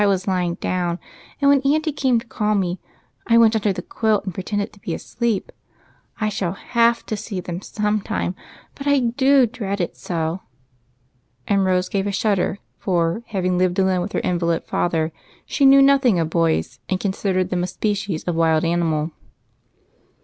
was lying down, and when auntie came to call rae I went under the quilt and pretended to be asleep. I shall have to see them some time, but I do dread it so." And Rose gave a shudder, for, having lived alone with her invalid father, she knew nothing of boys, and con sidered them a species of wild animal.